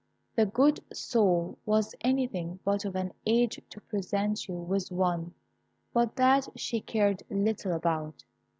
The good soul was anything but of an age to present you with one; but that she cared little about.